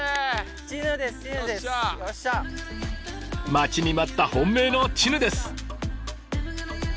待ちに待った本命のチヌです！